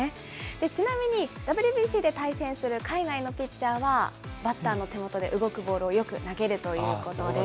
ちなみにＷＢＣで対戦する海外のピッチャーは、バッターの手元で動くボールをよく投げるということです。